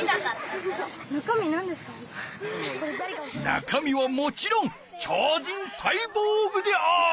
中身はもちろん超人サイボーグである！